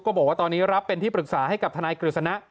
บอกว่าตอนนี้รับเป็นที่ปรึกษาให้กับทนายกฤษณะ